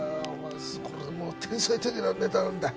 これがもう天才的なネタなんだ。